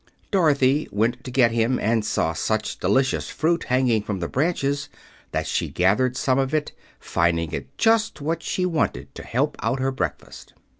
Dorothy went to get him, and saw such delicious fruit hanging from the branches that she gathered some of it, finding it just what she wanted to help out her breakfast.